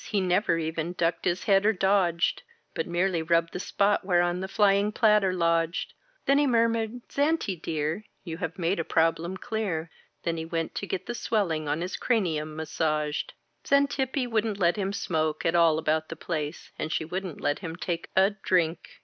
He never even ducked his head or dodged But merely rubbed the spot whereon the flying platter lodged, Then he murmured: "Xanty, dear, You have made a problem clear" Then he went to get the swelling on his cranium massaged. Xantippe wouldn't let him smoke at all about the place, And she wouldn't let him take a drink.